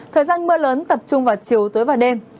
thời gian mưa lớn tập trung vào chiều tối và đêm